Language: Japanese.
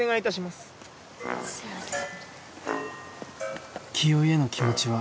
すみません。